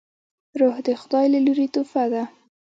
روح د خداي له لورې تحفه ده